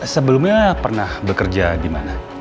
sebelumnya pernah bekerja di mana